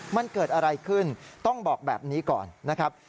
มันเกิดอะไรขึ้นต้องบอกแบบนี้ก่อนนะครับ